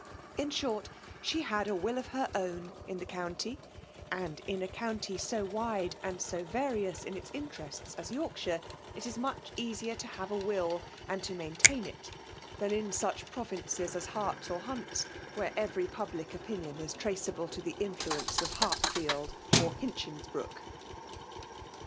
In short, Ae had a will of her own in the county ; and, in a county so wide and so various in its interests as Yorkshire, it is much easier to have a will and to maintain it, than in such provinces as Herts or Hunts, where every public opinion is traceable to the influence of Hatfield or Hinchinbrooke.